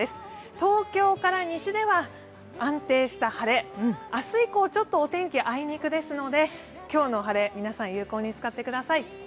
東京から西では安定した晴れ、明日以降、ちょっとお天気はあいにくですので今日の晴れ、皆さん、有効に使ってください。